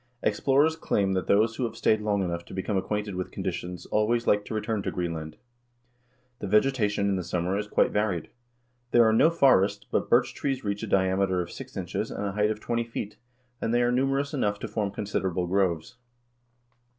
Explorers claim that those who have stayed long enough to become acquainted with conditions, always like to return to Greenland. The vegetation in the summer is quite varied. There are no forests, but birch trees reach a diameter of six inches, and a height of twenty feet, and they are numerous enough to form considerable groves.